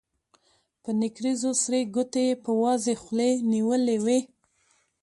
په نکريزو سرې ګوتې يې په وازې خولې نيولې وې.